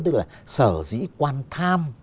tức là sở dĩ quan tham